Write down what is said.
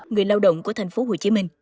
người lao động của tp hcm